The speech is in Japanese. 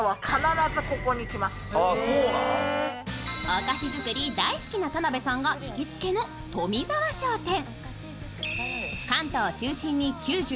お菓子作り大好きな田辺さんが行きつけの富澤商店。